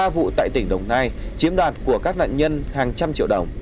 ba vụ tại tỉnh đồng nai chiếm đoạt của các nạn nhân hàng trăm triệu đồng